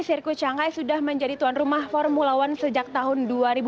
sirkuit shanghai sudah menjadi tuan rumah formula one sejak tahun dua ribu dua puluh